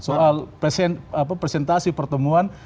soal presentasi pertemuan